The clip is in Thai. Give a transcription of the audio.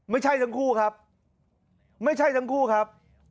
ไม่ใช่ทั้งคู่ครับไม่ใช่ทั้งคู่ครับ